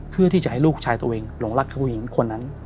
เพื่อที่จะให้ลูกชายตัวเองหลงรักผู้หญิงคนนั้น